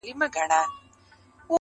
هر غاټول يې زما له وينو رنګ اخيستی!.